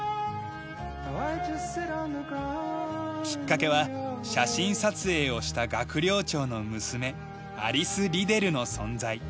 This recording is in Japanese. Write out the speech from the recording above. きっかけは写真撮影をした学寮長の娘アリス・リデルの存在。